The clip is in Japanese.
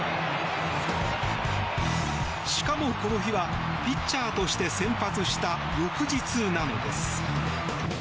しかも、この日はピッチャーとして先発した翌日なのです。